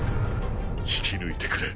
引き抜いてくれ。